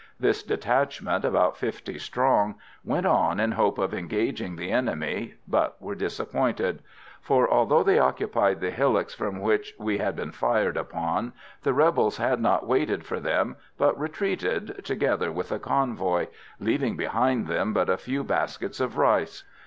This detachment, about fifty strong, went on in hope of engaging the enemy, but were disappointed; for, although they occupied the hillocks from which we had been fired upon, the rebels had not waited for them but retreated, together with the convoy, leaving behind them but a few baskets of rice.